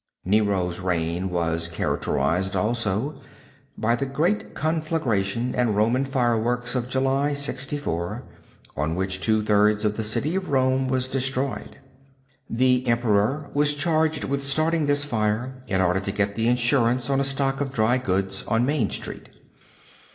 Nero's reign was characterized, also, by the great conflagration and Roman fireworks of July, 64, by which two thirds of the city of Rome was destroyed. The emperor was charged with starting this fire in order to get the insurance on a stock of dry goods on Main street.